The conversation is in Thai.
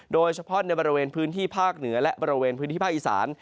โดยเฉพาะในบริเวณพื้นที่ภาคเหนือและบริเวณพื้นที่ภาคอีสาน